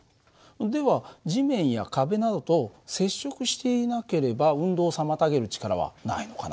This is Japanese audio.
では地面や壁などと接触していなければ運動を妨げる力はないのかな？